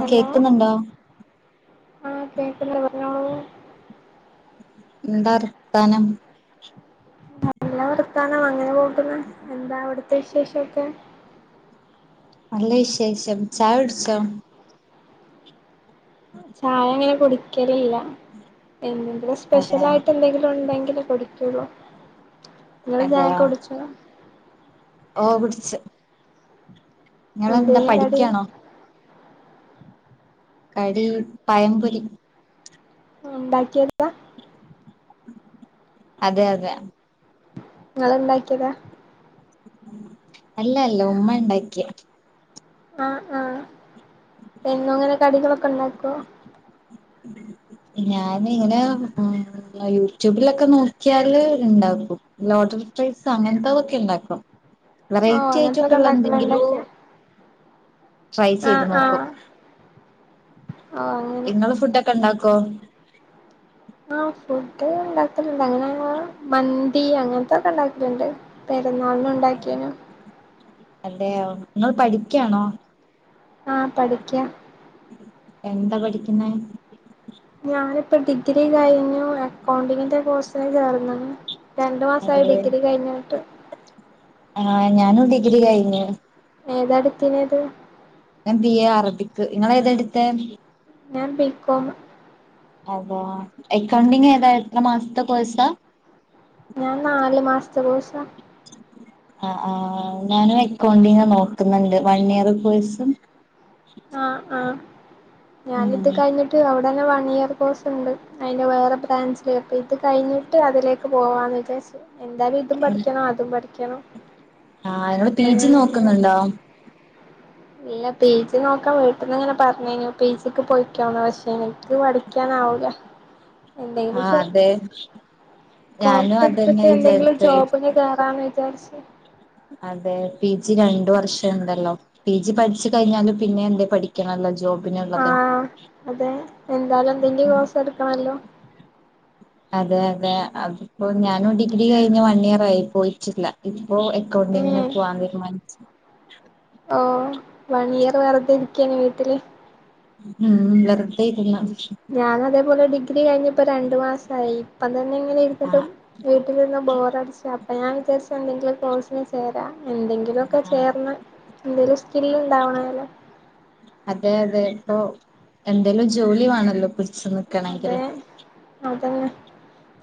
Hello ആഹ് കേക്കുന്ന ഓ എന്താ വർത്താനം നല്ല വർത്താനം അങ്ങനെ പോകുന്ന് എന്താ അവിടെ വിശേഷൊക്കെ അല്ലേ ശേഷം ചാ കുടിച്ച ചായ അങ്ങനെ കുടിക്കലില്ല എന്തെങ്കിലും സ്പെഷ്യൽ അതെയോ ആയിട്ട് എന്തെങ്കിലും ഉണ്ടെങ്ക പഠിക്കുള്ളൂ നിങ്ങള് ഞാക്കെ അതെയോ കുടിച്ച ശ നിങ്ങളന്താ എന്തേന് കടി പഠിക്കാണോ കടി പയംപൊല ഉണ്ടാക്കിയത അതെ അതെ നിങ്ങള്ണ്ടാക്കിയതാ അല്ല അല്ല ഉമ്മ ഉണ്ടാക്കിയ ആഹ് ആ എന്നും അങ്ങനെ കടികളൊക്ക ഉണ്ടാക്കോ ഞാന് ഇങ്ങന മ്ം അ യൂട്യൂബിലൊക്കെ നോക്കിയാല് ഇണ്ടാക്കും ലോട്ടറി പിസ്സാ അങ്ങനത്തതൊക്കെ ഇണ്ടാക്കും ഓഹ് വെറൈറ്റി അ അങ്ങനത്തൊക്കെ യിറ്റക്കൊള്ള എന്തെങ്കിലോ ഉണ്ടാക്കലുണ്ടൊക്കെ ട്രൈ ചെയ്ത് ആഹ് നോക്കും ആഹ് ഓഹ് അങ്ങനെ ഇങ്ങള് ഫുഡൊക്കെ ഇണ്ടാക്കോ ആ ഫുഡ് ഉണ്ടാക്കലണ്ട് അങ്ങനെ മന്തി അങ്ങനത്തൊക്ക ഉണ്ടാക്കല്ണ്ട് പെ പെര്നാളിന് ഉണ്ടാക്കിയേനോ അതെയോ ഇങ്ങള് പഠിക്കയാണോ ആഹ് പഠിക്കാ എന്ത പഠിക്കുന്നെ ഞാനിപ്പ ഡിഗ്രി കഴിഞ്ഞു അക്കൗണ്ടിങ്ങിന്റെ കോഴ്സ് കഴിഞ്ഞ് [unintelligible] രണ്ടു മാസ ആയ് അതെ ഡിഗ്രി കഴിഞ്ഞിട്ട് ആഹ് ഞാനും ഡിഗ്രി കഴിഞ്ഞ് ഏതടുത്തിന്‌ത് ഞാൻ ബി എ അറബിക് നിങ്ങള് ഏതെടുത്തെ ഞാൻ ബി ക്കോമ് അതാ അക്കൗണ്ടിങ് ഏതാ എത്ര മാസത്തെ കോഴ്‌സാ ഞാൻ നാലു മാസത്തെ കോഴ്‌സാ ആ ആ ഞാനും അക്കൗണ്ടിങ് നോക്ക് ന്നൊണ്ട് വൺ ഇയർ കോഴ്സും ആഹ് ആഹ് ഞാനിത് ഉം കഴിഞ്ഞിട്ട് അവിട ന്നെ വൺ ഇയർ കോഴ്സ് ഉണ്ട് അയ്ന്റെ വേറെ ബ്രാൻസില് ക്ക ഇത് കഴിഞ്ഞിട്ട് അതിലേക്ക് പോവാന്ന് വിജാരിച്ച് എന്താലും ഇതും പഠിക്കണം അതും പഠിക്കണം ആഹ് അയ്നോട് പി അപ്പൊ ജി ഞാൻ അങ്ങനെ നോക്ക്ന്നുണ്ടോ ഇല്ല പി ജി നോക്കണി അങ്ങനെല്ലാം പറഞ്ഞേനു പി ജി പോയിക്കാണും പക്ഷെ എനിക്ക് പഠിക്കാനാവില്ല എന്തെങ്കിലും ആഹ് ച്ച് അതെ ഞാനും അതന്നെ കോഴ്സെടുത്തിട്ട് എന്തെങ്കിലും വിചാരിച്ചേ ജോബിന് കയറാന്ന് വി ശരി ശരി [unintelligible] അതെ പി ജി രണ്ട് വർഷം ഉണ്ടല്ലോ പി ജി പഠിച്ചു കഴിഞ്ഞാല് പിന്നെ എന്തേ പഠിക്കണല്ലോ ജോബ് ആഹ് അതെ എന്താലും എന്തെങ്കിൽ കോഴ്‌സ് എടുക്കണല്ലോ അതെ അതെ അതിപ്പൊ ഞാനും ഡിഗ്രി കഴിഞ്ഞ വൺ ഇയർ ആയി പോയിറ്റില്ല പ്പോ എക്കോണ്ടിങ്ങിന് പോവാന്ന് തീരുമാനിച്ച് [unintelligible] ഓ വൺ ഇയർ വെറുതെ ഇരിക്കാണ് വീട്ടില് [unintelligible] ഉം വെറുതെ ഇരുന്ന് ഞാൻ അതേപോലെ ഡിഗ്ര ഗ്രി കഴിഞ്ഞപ്പോ രണ്ടു മാസമായി അ തന്നെ ഇങ്ങനെ ഇരുന്നിട്ട് ആഹ് വീട്ടിലിരുന്ന് ബോറടിച്ച ഞാൻ വിചാരിച്ച് എന്തെങ്കിലും കോഴ്സിന് ചേരാം എന്തെങ്കിലുമൊക്കെ ആഹ് ചേർന്ന് എന്തെങ്കിലും സ്കില് ഉണ്ടാവണാലോ അപ്പൊ എന്തേലും ജോലി വേണല്ലോ പിടിച്ചു അതെ നിക്കണെങ്കില് അതന്നെ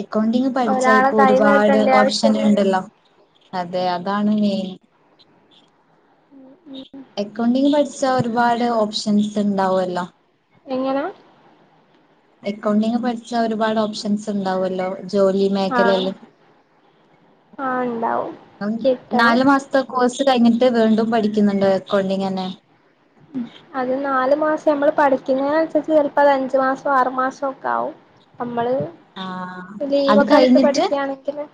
അക്കൗണ്ടിങ് പഠിച്ചാ ഒരാളെ ഇപ്പോ കൈ ഒരുപാട് നീട്ടേണ്ട ഓപ്ഷൻ ആവശ്യല്ല ഉണ്ടല്ലോ അതെ അതാണ് മെയിൻ ഉ ഉം [unintelligible] അക്കൗണ്ടിങ് പഠിച്ചാ ഒരുപാട് ഓപ്ഷൻസ് ഉണ്ടാവുമല്ലോ എങ്ങനാ അക്കൗണ്ടിങ് പഠിച്ചാ ഒരുപാട് ഓപ്ഷൻസ് ഉണ്ടാവല്ലോ ജോലി മേഖല ആഹ് എല്ലാം ആഹ് ഉണ്ടാവും [unintelligible] കിട്ടണം നാലു മാസത്തെ കോഴ്സ് കഴിഞ്ഞിട്ട് വീണ്ടും പഠിക്കുന്നുണ്ടോ അക്കൗണ്ടിങ്ങനെ അത് നാല് മാസം നമ്മള് പഠിക്കുന്നതിനനുസരിച്ച് അപ്പ അഞ്ച് മാസോ ആറു മാസം ഒക്കെ ആകും നമ്മള് ആഹ് അത് ലീവൊക്കെ എടുത്ത് കഴിഞ്ഞിട്ട് പഠിക്കയാണെങ്കില്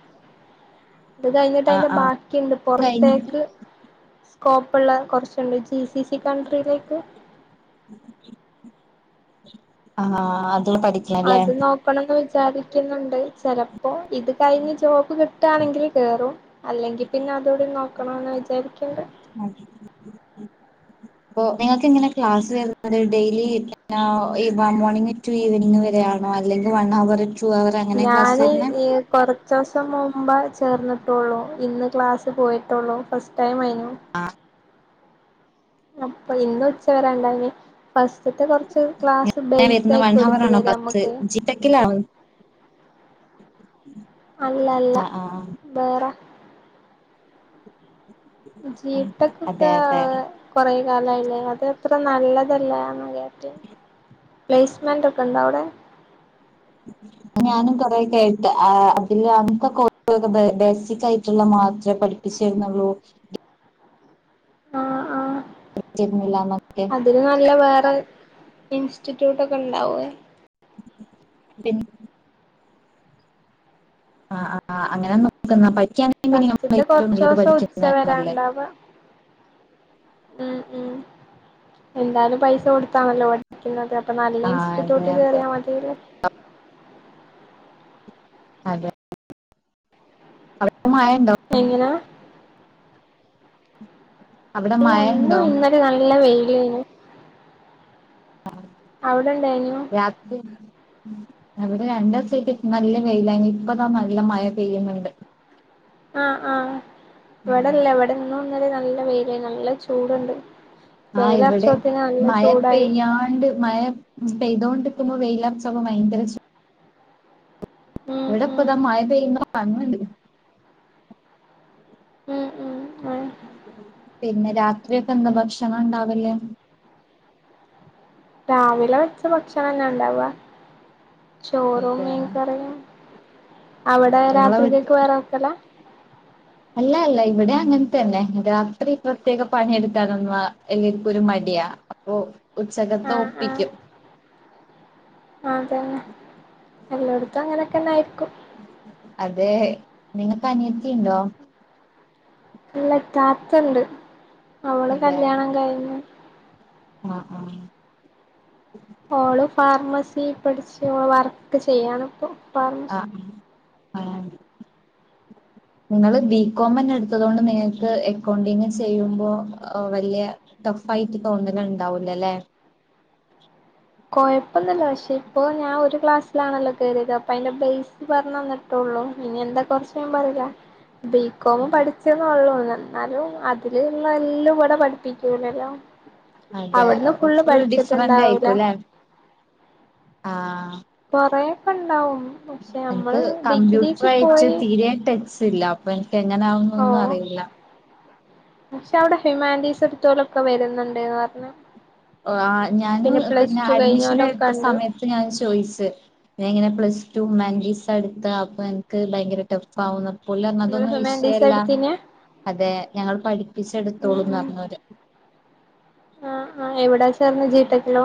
അത് കഴിഞ്ഞിട്ട് ആഹ് അതിന്റെ ആഹ് ബാക്കിയുണ്ട് കഴിഞ്ഞിട്ട് പുറത്തേക്ക് സ്കോപ്പുള്ള കുറച്ചുണ്ട് ചീ സീ ഈ കൺട്രിയിലേക്ക് ആഹ അത അത് നോക്കണംന്ന് വെച്ച് സാധിക്കുന്നുണ്ട് ചിലപ്പോൾ ഇത് കഴിഞ്ഞ് ജോബ് കിട്ടുകയാണെങ്കിൽ കേയറും അല്ലെങ്കിൽ പിന്നെ അതോട് നോക്കണോന്ന് വിചാരിക്കുണ്ട് ഇപ്പാേ നിങ്ങൾക്ക് ഇങ്ങനെ ക്ലാസ് വരുന്നത് ഡെയിലി മോർണിംഗാ ഇവമോർണിംഗ ടു ഈവനിങ് വരെ ആണോ അല്ലെങ്കിൽ വൺ അവർ ടു അവർ അങ്ങനെ ക്ലാസ് ഞാൻ വരുന്നെ ഈ കൊറച്ച് ദിവസം മുമ്പേ ചേർന്നിട്ടുള്ളു ഇന്ന് ക്ലാസ് പോയിട്ടുള്ളൂ ഫസ്റ്റ് ടൈം യിന് ആഹ അപ്പൊ ഇന്ന് ഉച്ച വരണ്ടായി ഫസ്റ്റത്തെ കെറ എങ്ങനെ വരുന്ന വൺ ഹവർ ആണോ ഫസ്റ്റ് നമ്മക്ക് ജിടെക്കിലാണോ അല്ല അല്ല ആഹ് ആഹ് വേറെ അതെ ജീട്ടക്കൊക്കെ അതെ കൊറ കാലയില്ലേ അതത്രനല്ലതല്ലാന്ന് കേ ട്ട് [inaudible] പ്ലേസ്മെന്റ് ഒക്കെ ഉണ്ടോ അവിടെ ഞാനും കൊറെ കേട്ട് അതില് അ അകക്കെകുറൊക്കെ ബേസിക് ആയിട്ടുള്ള മാത്രമേ പഠിപ്പിച്ചരുന്നുള്ളൂ ആഹ ആ ന്നില്ലന്നൊക്കെ അതിന് നല്ല വേറെ ഇൻസ് റ്റിറ്റ്യൂട്ട് ഒക്കെ ഉണ്ടാവേ പിൻ ആ ആ അങ്ങനെ നോക്കുന്ന പഠി പസ്റ്റത്തെ കൊറച്ച ദിവസം ഉച്ച വരണ്ടാവ ഉം ഉ എന്തായാലും പൈസ കൊടുത്താണല്ലോ പഠിപ്പിക്കുന്നത് ഇപ്പൊ ആ നല്ല അതെ ഇൻസ്റ്റിറ്റ്യൂട്ട് അതെ കേറിയാ മതില്ലേ അതെ അവ എങ്ങനാ അവിടെ ഇല്ല മഴ ഇന്നും ഉണ്ടോ ഇന്നലെ നല്ല വെയി വെയില് രാത്രി ഇവിടെ രണ്ട് ദിവസായിട്ട് നല്ല വെയിലായിന് ഇപ്പതാ നല്ല മഴ പെയ്യുന്നുണ്ട് ആഹ ആഹ് ഉം. ഇവിടെല്ല ഇവിടെന്നും നല്ല വെയിലന്നെ നല്ല ചൂടുണ്ട് ആ ഇവിടെ വെയിലറച്ചോത്തിന് നല്ല മയ ചൂടായി പെയ്യാണ്ട് മയ പെയ്തോണ്ടിക്കുമ്പോ വെയിലറച്ചപ്പ ഭയങ്കര ചൂട ഉം ഉം ഇവിടെപ്പിതാ മയ പെയ്ന്ന് പറന്നണ്ട് ഉം ഉം ഉം പിന്നെ രാത്രിയൊക്കെ എന്താ ഭക്ഷണം ഉണ്ടാവില്ലേ രാവിലെ വെച്ച ഭക്ഷണംന്നാ ഇണ്ടാവ ചോറൂം അതെ ആ, മീൻക്കറിയും അവിടെ നിങ്ങളെ രാത്രികക്ക് വീട്ടിൽ വേറെക്കല്ല അല്ല അല്ല ഇവിടെ അങ്ങനെ തന്നെ രാത്രി പ്രത്യേക പണിയെടുക്കാനൊന്ന എല്ലർക്കും ഒരു മടിയാ അപ്പൊ ഉച്ചകത്തെ ഒപ്പിക്കും ആ അതന്നെ എല്ലടത്തും അങ്ങനൊക്കെന്നൊയിരിക്കും അതെ നിങ്ങക്ക് അനിയത്തി ഉണ്ടോ ഇല്ല താത്തണ്ട് അവള് കല്യാണം കഴിഞ്ഞ ആ ആ ഓള് ഫാർമസി പഠിച്ച വർക്ക് ചെയ്യാണ് ഇപ്പ ഫാർമസി ആ നിങ്ങള്ൾ ബികോം തന്നെ എടുത്തത് കൊണ്ട് നിങ്ങൾക്ക് അക്കൗണ്ടിങ് ചെയ്യുമ്പോ വലിയ ടഫ് ആായിട്ട് തോന്നല ഉണ്ടാവൂലല്ലേ കോഴപ്പന്നല്ല പക്ഷേ അപ്പോ ഞാ ഒരു ക്ലാസ് ലാണല്ലോ കയറിയത് അപ്പ അതിന്റെ ബേസ് പറഞ്ഞ തന്നിട്ടുള്ളൂ ഇനി എന്തൊ കുറച്ചൻ പറയില്ല ബികോം ഇല്ല പഠിച്ചന്ന ഉള്ളൂന്ന എന്നാലും അതില്ള്ള എല്ലാം കൂടെ പഠിപ്പിക്കൂലല്ലോ അതെ അവിടുന്ന് ഫുള്ള് കുറച്ച ഡിഫറന്റ് പഠിച്ചിട്ടുണ്ടാവൂല ആയിക്കുംല്ലെ ആഹ കൊറെക്കെ ഇണ്ടാവും എനിക്ക് കമ്പ്യൂട്ടർ ആയിട്ട് പോയി തീരയാൻ ടെക്സ് ഇല്ല അപ്പൊ ഓ എങ്ങനാവുന്നൊന്നും അറിയില്ല പക്ഷെ അവിടെ ഹ്യുമാൻറ്റീസ് എടുത്തോളൊക്കെ വരുന്നുണ്ട്ന്ന് പറഞ്ഞ ഓ ആ ഞൻ പിന്നെ അഡ്മിഷൻ കഴിഞ്ഞോലൊക്കെ എടുത്ത ഉണ്ട് സമയത്ത് ഞാൻ ചോയിച്ച് പ്ലസ് ടു മാങ്കീസ് എടുത്ത അപ്പ അൻക്ക് ഭയങ്കര ടെഫ് ആകുന്ന നിങ്ങള് അപ്പോലഞ്ഞതൊന്നും ഹ്യൂമാനിറ്റീസാ വിഷയല്ല എടുത്തീനെ അതെ ഞങ്ങള് പഠിപ്പിച്ചെടുത്തോളൂന്ന് പറഞ്ഞര് ആ ആ എവിടാ ചേർന്ന് ജി ടെക്ക് ലോ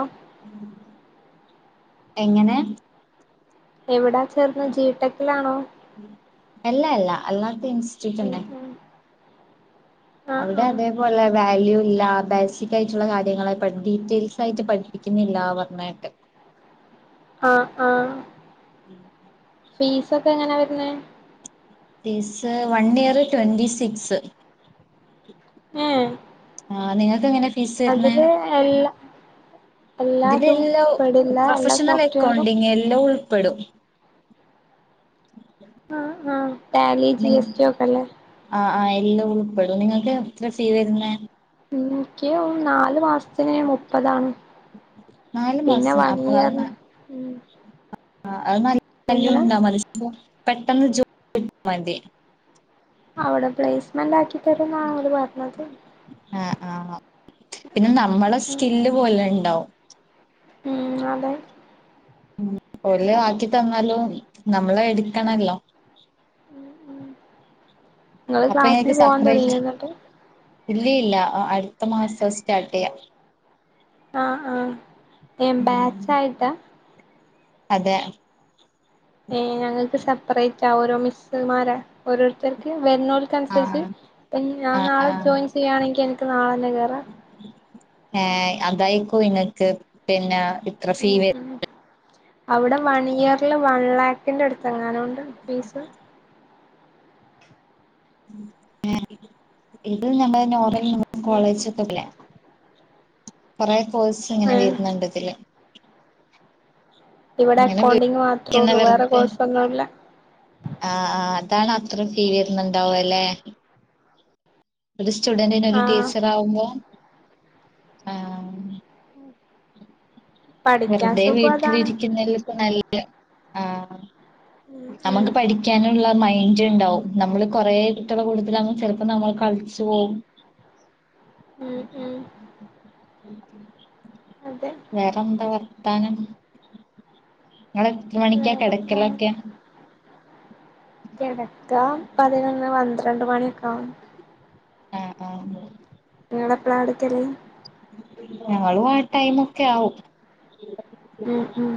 എങ്ങനെ എവിടാ ചേർന്നെ ജീടെക്കിലാണോ അല്ല അല്ല അല്ലാത്ത ഉം ഇൻസ്റ്റിറ്റ്യൂട്ടണ്ടെ ഉം ആഹ് അവിടെ ആഹ് അതേ പോലെ വാല്യൂ ഇല്ല ബേസിക് ആയിട്ടുള്ള കാര്യങ്ങളെ പറ്റിയിട്ട് ഡീറ്റെയിൽസ് ആയിട്ട് പഠിപ്പിക്കുന്നില്ല പറഞ്ഞുകേട്ട്. ആഹ് ആഹ് ഉം ഫീസ് ഒക്കെ എങ്ങനെ വരുന്ന. Fees one year twenty six. ഉം ആഹ് നിങ്ങൾക്ക് എങ്ങനെയാ. അതില് എല്ലാ എല്ലാതും അതിലെല്ലാം പെടില്ല എല്ലാ പ്രൊഫഷണൽ സോഫ്റ്റ്വെയറും അക്കൗണ്ടിങ് എല്ലാം ഉൾ പ്പെടും ആ ആഹ ട്ടേലി ജി എസ് ടി ഒക്കെല്ലേ എല്ലംഉൾപ്പെടും നിങ്ങൾക്ക് എത്ര ഫീ വരുന്നെ? എനിക്ക് നാല് മാസത്തിന് മുപ്പതാണ് നാല് പിന്നെ മാസത്തിന് വൺ അപ്പൊ അത് ഇയർ ന ഉം ആഹ് അഅ് നല്ല എങ്ങനെ ഉണ്ടാ മത്സ്യന്റെ പെട്ടെന്ന് ജു [unintelligible] ന്റെ അവിടെ പ്ലേസ് മണ്ടാക്കിതരൂന്നാ ഓൽപറഞ്ഞത്. ആഹ് [inaudible] പിന്നെ നമ്മളെ സ്കില്ല് പോലെ ഇണ്ടാവും ഉം അതെ ഉം ഓൽ ആക്കി തന്നാലും നമ്മളെ എടുക്കണല്ലോ ഉം ഉം ഇങ്ങള് ക്ലാസ്സിന് പോവാൻ തുടങ്ങിയോന്നട്ട് ഇല്ലിഇല്ല അ അട്ത്ത മാസം സ്റ്റാർട്ടെയ്യാ. ആ ആ ഉം. ഏമ്പാച്ചായിട്ടാ അതെ ഏ ഞങ്ങക്ക് സെപ്പറേറ്റാ, ഓരോ മിസ്സ്മാരാ ഓരോരുത്തർക്ക് വരുന്നോൽക്കനുസരിച്ച് ആഹ് ഇനി ഞാൻ ആഹ് നാളെ ആഹ് ജോയിൻ ചെയ്യാണെങ്കി എനിക്ക് നാളെന്നെ കേറാ ഏ അതായിക്കു ഇങ്ങക്ക് പിന്നെ ഇത്ര ഉം സീവെ ഉം അവിടെ വണിയറില് വൺലാക്കിന്റെടു ത്തെങ്ങാനുണ്ട് ഫീസ്? ഏ ഇത് ഞമ്മെ നോബെ ഇനി മൊത്തം ഉം ഉം കോളേജൊക്കെല്ലേ പറേ കോഴ്സ് ഇങ്ങനെ ഏഹ് വരുന്നുണ്ടിതില് ഇവിടെ ഇങ്ങനെ അക്കൗണ്ടിങ്ങ് മാത്രേ വിളിക്കുന്ന ഉള്ളു വേറെ വെറുതെ കോഴ്സൊന്നുമില്ല ആഹ് ആഹ് അതാണ് അത്ര ഫീ വരുന്നുണ്ടാവ അല്ലെ ഒരു സ്റ്റുഡന്റിന് ഒരു ആഹ് ടീച്ചർ ആകുമ്പോ ആഹ് പഠിക്കാൻ വെറുതെ സുഖം അതാണ് വീട്ടിലിരിക്കുന്നതിലിപ്പം ത്നല്ല ആഹ് ഉം നമുക്ക് ഉം പഠിക്കാനുള്ള മൈ മെയ്ൻ്റ്ണ്ടാവും നമ്മള് കൊറേ കുട്ട്യെളെ കൂട്ടത്തീലാവുമ്പൊ ചെലപ്പോ നമ്മൾ കൾച്ച് പോവും ഉം ഉം [inaudible] അതെ വേറെന്താ പറ ത്താനം ഇങ്ങളെത്ര മണിക്കാ കെടക്കലൊക്കെ കെടക്ക പതിനൊന്ന് പന്ത്രണ്ട് മണിയൊക്കെ ആവും ആഹ് ആഹ് നിങ്ങളെപ്പളാ കെടക്കല് ഞങ്ങളും ആ ടൈമൊക്കെ ആവും ഉം ഉം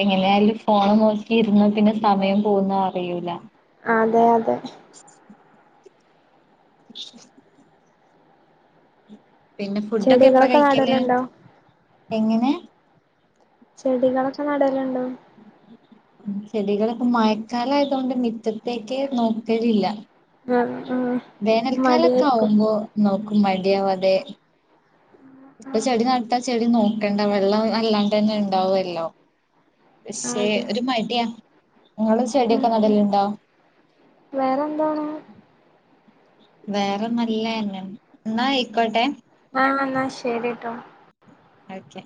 എങ്ങനെയാലും ഫോണ് നോക്കിയിരുന്നാ പിന്നെ സമയം പോകുന്നറിയൂല അതെ അതെ [unintelligible] [unintelligible] പിന്നെ ഫുഡൊക്കെ എപ്പ ചെടികളൊക്കെ കഴിക്കല് നടലുണ്ടോ എങ്ങനെ ചെടികളൊ നടല്ണ്ടോ ചെടികളൊക്കെ മയക്കാലായതോണ്ട് മിറ്റത്തേക്കേ നോക്കലില്ല ആഹ് ആഹ് വേനൽക്കാലൊക്കെ മടിയായിരിക്കും ആവുമ്പോ നോക്കും മടിയവാതെ ഇപ്പൊ ചെടി നട്ടാ ചെടി നോക്കണ്ട വെള്ളം അല്ലാണ്ടെന്നെ ഇണ്ടാവല്ലോ പക്ഷെ അതെ ഒരു മടിയാ ഇങ്ങളും ഉം ചെടിയൊക്കെ ഉം നടലുണ്ടോ വേറെന്താണ് വേറെ നല്ലെന്നെ ന്നാ അയിക്കോട്ടെ ആ ന്നാ ശരിട്ടോ ഓക്കെ